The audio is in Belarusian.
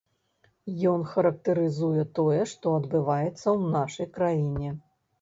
Ён характарызуе тое, што адбываецца ў нашай краіне.